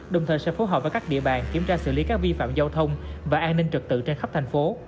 đồng thời sẽ phối hợp với các địa bàn kiểm tra xử lý các vi phạm giao thông và an ninh trật tự trên khắp thành phố